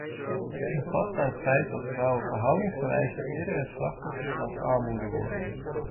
Het is een vaststaand feit dat vrouwen verhoudingsgewijs eerder het slachtoffer van armoede worden.